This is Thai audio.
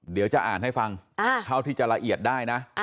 เดี๋ยวจะอ่านให้ฟังเท่าที่จะละเอียดได้นะ